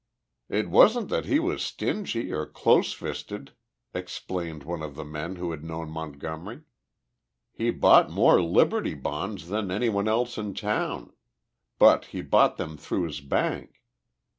"It wasn't that he was stingy or close fisted," explained one of the men who had known Montgomery. "He bought more Liberty Bonds than anyone else in town but he bought them through his bank.